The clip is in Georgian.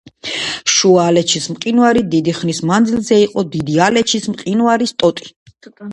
შუა ალეჩის მყინვარი დიდი ხნის მანძილზე იყო დიდი ალეჩის მყინვარის ტოტი.